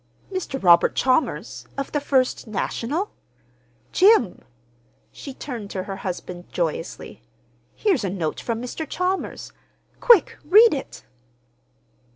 "Mr. Robert Chalmers, of the First National? Jim!" She turned to her husband joyously. "Here's a note from Mr. Chalmers. Quick—read it!"